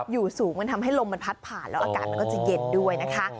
อยู่สูงมันทำให้ลมมันพัดผ่านแล้วอากาศมันก็จะเย็นด้วยนะคะ